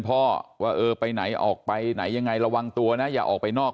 ว่าเออไปไหนออกไปไหนยังไงระวังตัวนะอย่าออกไปนอก